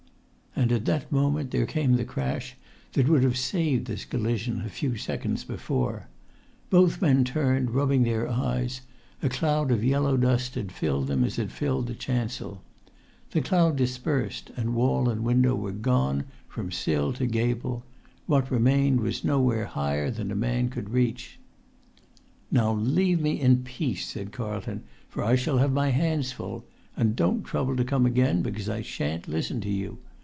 And at that moment there came the crash that would have saved this collision a few seconds before. Both men turned, rubbing their eyes; a cloud of yellow dust had filled them as it filled the chancel. The cloud dispersed, and wall and window were gone from sill to gable; what remained was nowhere higher than a man could reach. "Now leave me in peace," said Carlton, "for I shall have my hands full; and don't trouble to come again, because I sha'n't listen to you.